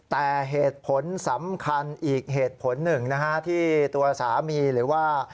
แต่เหตุผลสำคัญอีกเหตุผลหนึ่งนะฮะที่ตัวสามีหรือว่า